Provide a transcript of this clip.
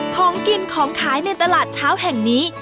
ของกินของขายในตลาดเช้าแห่งนี้